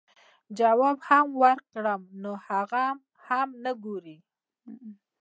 جواب هم وکړم نو هغه هم نۀ ګوري -